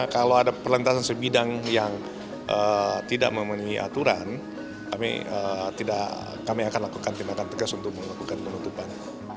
kalau ada perlantasan sebidang yang tidak memenuhi aturan kami akan lakukan tindakan tegas untuk melakukan penutupan